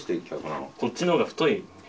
こっちの方が太い。